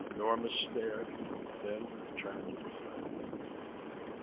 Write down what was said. Norma stared, then turned and fled.